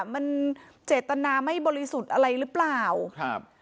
มันเจตนาไม่บริสุทธิ์อะไรหรือเปล่าครับ